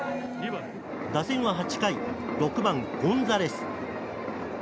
打線は８回、６番ゴンザレス。